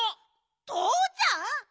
とうちゃん！？